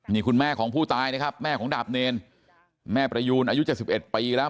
นี่คุณแม่ของผู้ตายนะครับแม่ของดาบเนรแม่ประยูนอายุ๗๑ปีแล้ว